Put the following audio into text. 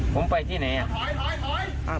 ผมไปที่ไหนครับ